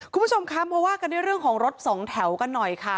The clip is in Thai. คุณผู้ชมครับเพราะว่ากันในเรื่องของรถสองแถวกันหน่อยค่ะ